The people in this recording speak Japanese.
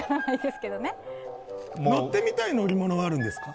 乗ってみたい乗り物はあるんですか。